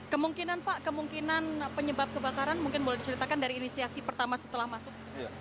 kemungkinan pak kemungkinan penyebab kebakaran mungkin boleh diceritakan dari inisiasi pertama setelah masuk